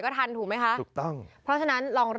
ใครคือก่อน